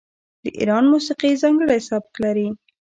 د ایران موسیقي ځانګړی سبک لري.